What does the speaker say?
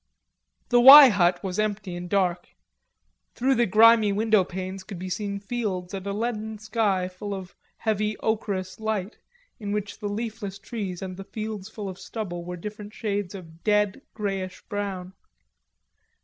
The "Y" hut was empty and dark; through the grimy windowpanes could be seen fields and a leaden sky full of heavy ocherous light, in which the leafless trees and the fields full of stubble were different shades of dead, greyish brown.